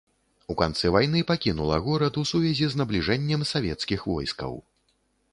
У канцы вайны пакінула горад у сувязі з набліжэннем савецкіх войскаў.